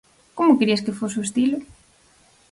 Como querías que fose o estilo?